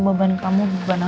beban kamu beban aku